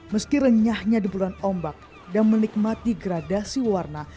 meski renyahnya deburan ombak dan menikmati gradasi warna